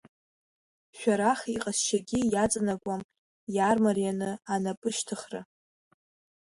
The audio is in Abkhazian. Шәарах иҟазшьагьы иаҵанакуам иаармарианы анапышьҭыхра.